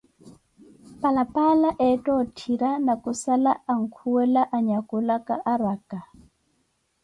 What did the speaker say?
Palapaala eetta otthira na khusala akhuwela anyakulaka, araka.